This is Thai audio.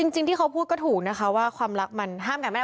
จริงที่เขาพูดก็ถูกนะคะว่าความรักมันห้ามกันไม่ได้